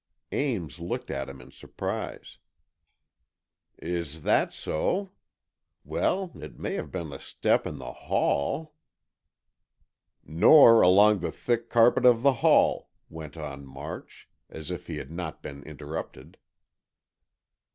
Ames looked at him in surprise. "Is that so? Well, it may have been a step in the hall——" "Nor along the thick carpet of the hall——" went on March, as if he had not been interrupted.